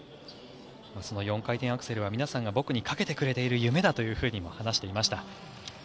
その４回転アクセルは皆さんが僕にかけてくれている夢だとも話していました。